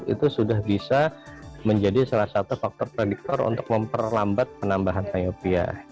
itu sudah bisa menjadi salah satu faktor prediktor untuk memperlambat penambahan kayu rupiah